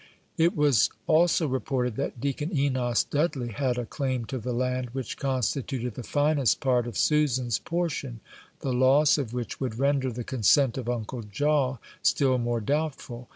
It was also reported that Deacon Enos Dudley had a claim to the land which constituted the finest part of Susan's portion, the loss of which would render the consent of Uncle Jaw still more doubtful.